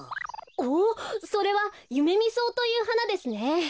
おっそれはユメミソウというはなですね。